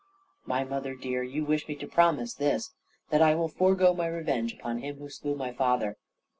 "My mother dear, you wish me to promise this that I will forego my revenge upon him who slew my father."